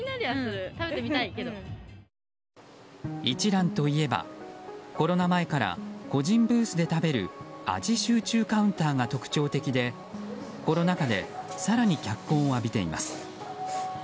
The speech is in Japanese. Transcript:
一蘭といえばコロナ前から個人ブースで食べる味集中カウンターが特徴的でコロナ禍で更に脚光を浴びています。